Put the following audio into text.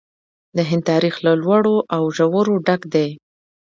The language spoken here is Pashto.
د هند تاریخ له لوړو او ژورو ډک دی.